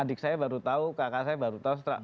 adik saya baru tahu kakak saya baru tahu setelah